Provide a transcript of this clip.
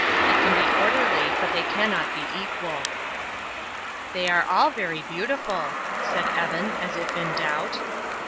They can be orderly, but they cannot be equal." "They are all very beautiful," said Evan, as if in doubt.